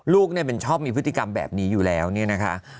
ลูกเนี่ยมันชอบมีพฤติกรรมแบบนี้อยู่แล้วเนี่ยนะคะ